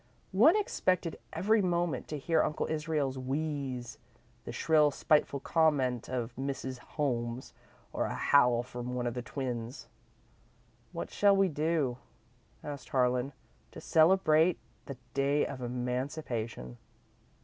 One expected, every moment, to hear Uncle Israel's wheeze, the shrill, spiteful comment of Mrs. Holmes, or a howl from one of the twins. "What shall we do," asked Harlan, "to celebrate the day of emancipation?"